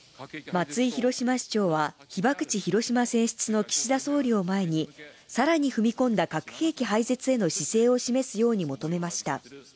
松井広島市長は、被爆地・広島選出の岸田総理を前に、さらに踏み込んだ核兵器廃絶への姿勢を示すように求めました。